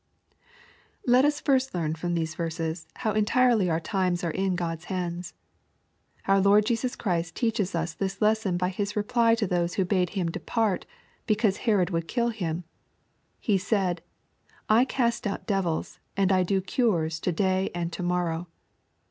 138 KXPOSITORT THOUGHTS, Let us learn from these verses, how entirely our times ar€ in Ood's hands. Our Lord Jesus Christ teaches its this lesson by His reply to those who bade Him depart, be cause Herod would kill Him. He said, " I cast out dev ils, and I do cures to day and to morrow."